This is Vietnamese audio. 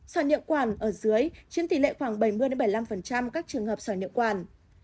sỏi niệu quản ở dưới chiến tỷ lệ khoảng bảy mươi bảy mươi năm các trường hợp sỏi niệu quản